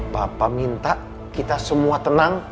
bapak minta kita semua tenang